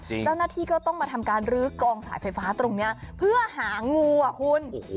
เจ้าหน้าที่ก็ต้องมาทำการรื้อกองสายไฟฟ้าตรงนี้เพื่อหางูอ่ะคุณ